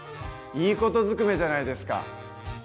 いい事ずくめじゃないですか！